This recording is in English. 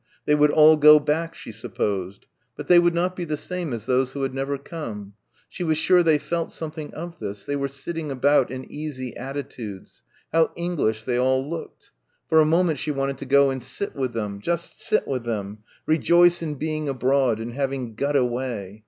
They would all go back she supposed. But they would not be the same as those who had never come. She was sure they felt something of this. They were sitting about in easy attitudes. How English they all looked ... for a moment she wanted to go and sit with them just sit with them, rejoice in being abroad; in having got away.